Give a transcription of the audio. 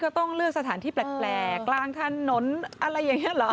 ต้องเลือกสถานที่แปลกกลางถนนอะไรอย่างนี้เหรอ